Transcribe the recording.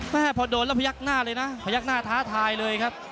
แม่พอโดนแล้วพยักหน้าเลยนะพยักหน้าท้าทายเลยครับ